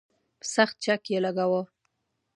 سخت چک یې لګاوه.